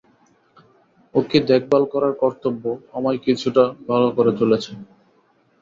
ওকে দেখভাল করার কর্তব্য, আমায় কিছুটা ভালো করে তুলেছে।